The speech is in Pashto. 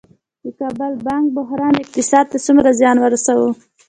د کابل بانک بحران اقتصاد ته څومره زیان ورساوه؟